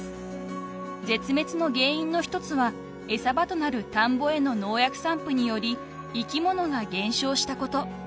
［絶滅の原因の一つは餌場となる田んぼへの農薬散布により生き物が減少したこと］